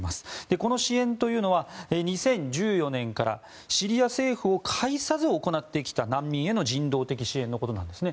この支援は２０１４年からシリア政府を介さず行ってきた難民への人道的支援のことなんですね。